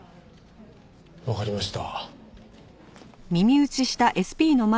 わかりました。